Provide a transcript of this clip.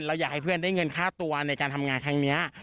อยากให้เพื่อนได้เงินค่าตัวในการทำงานครั้งนี้